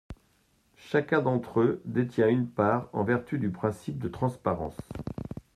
Chacun d’entre eux détient une part, en vertu du principe de transparence.